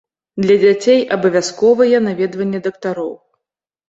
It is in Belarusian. Для дзяцей абавязковыя наведванні дактароў.